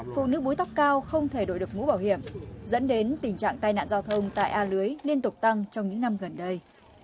phụ nữ bối tóc cao không thể đổi được mũ bảo hiểm dẫn đến tình trạng tai nạn giao thông tại a lưới liên tục tăng trong những năm gần đây